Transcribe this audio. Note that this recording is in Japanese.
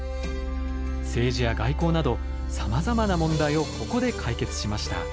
政治や外交などさまざまな問題をここで解決しました。